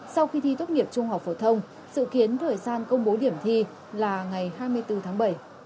sau khi thi tốt nghiệp trung học phổ thông sự kiến thời gian công bố điểm thi là ngày hai mươi bốn tháng bảy